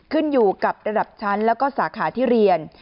ขึ้นอยู่กับระดับชั้นแล้วก็สาขาที่เรียน